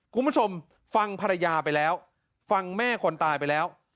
คุณผู้ชมฟังภรรยาไปแล้วฟังแม่คนตายไปแล้ว